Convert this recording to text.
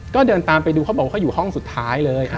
ก็เดินตามไปดูเขาบอกว่าเขาอยู่ห้องสุดท้ายเลย